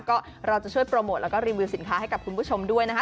ก็เราจะช่วยโปรโมทแล้วก็รีวิวสินค้าให้กับคุณผู้ชมด้วยนะคะ